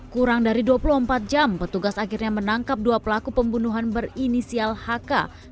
kurang dari dua puluh empat jam petugas akhirnya menangkap dua pelaku pembunuhan berinisial hk